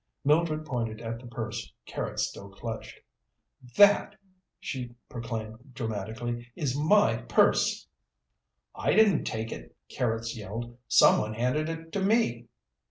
Mildred pointed at the purse Carrots still clutched. "That," she proclaimed dramatically, "is my purse!" "I didn't take it," Carrots yelled. "Someone handed it to me!"